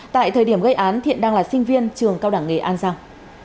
tại thời điểm gây án thiện đang là sinh viên trường cao đẳng nghề an giang